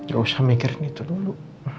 gak usah mikirin itu dulu